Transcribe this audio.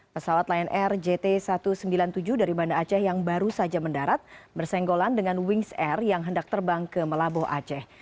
pesawat lion air jt satu ratus sembilan puluh tujuh dari banda aceh yang baru saja mendarat bersenggolan dengan wings air yang hendak terbang ke melabuh aceh